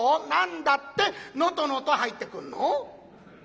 何だって能登能登入ってくんの？